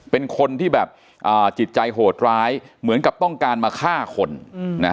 เป็นคนที่แบบอ่าจิตใจโหดร้ายเหมือนกับต้องการมาฆ่าคนนะฮะ